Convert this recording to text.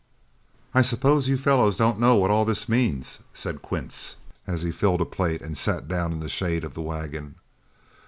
"I suppose you fellows don't know what all this means," said Quince, as he filled a plate and sat down in the shade of the wagon.